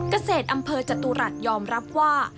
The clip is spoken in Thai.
เกษตรอำเภอจตุรัสยอมรับว่า